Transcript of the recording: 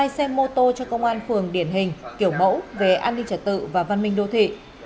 hai xe mô tô cho công an phường điển hình kiểu mẫu về an ninh trật tự và văn minh đô thị